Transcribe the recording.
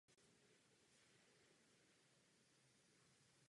Pokračoval v Římě ve studiu na Papežské univerzitě Gregoriana.